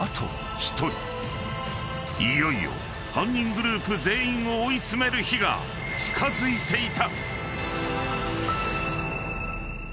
［いよいよ犯人グループ全員を追い詰める日が近づいていた］